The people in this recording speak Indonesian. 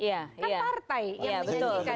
kan partai yang disajikan